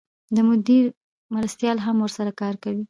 د مدیر مرستیالان هم ورسره کار کوي.